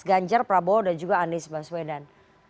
ganjar prabowo dan juga anies baswedan